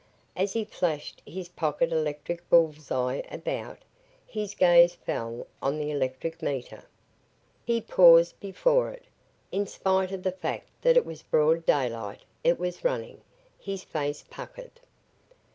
As he flashed his pocket electric bull's eye about, his gaze fell on the electric meter. He paused before it. In spite of the fact that it was broad daylight, it was running. His face puckered.